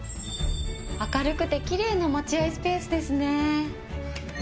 明るくてきれいな待合スペースですね。